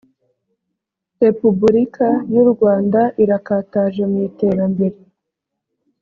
repubulika y u rwanda irakataje mwiterambere